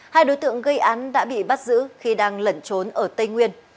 hai đối tượng gây án đã bị bắt giữ khi đang lẩn trốn ở tây nguyên